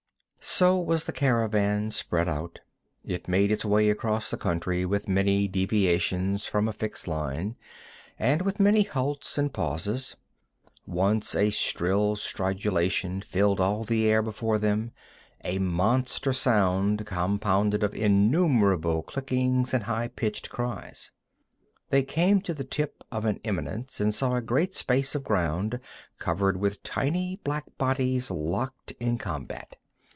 So was the caravan spread out. It made its way across the country with many deviations from a fixed line, and with many halts and pauses. Once a shrill stridulation filled all the air before them, a monster sound compounded of innumerable clickings and high pitched cries. They came to the tip of an eminence and saw a great space of ground covered with tiny black bodies locked in combat.